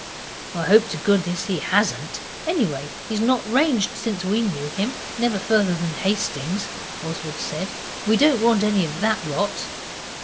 'I hope to goodness he hasn't anyway, he's not ranged since we knew him never further than Hastings,' Oswald said. 'We don't want any of that rot.